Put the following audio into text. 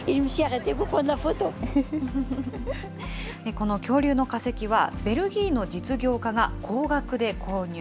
この恐竜の化石は、ベルギーの実業家が高額で購入。